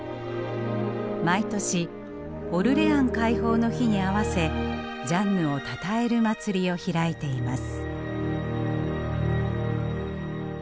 毎年オルレアン解放の日に合わせジャンヌをたたえる祭りを開いています。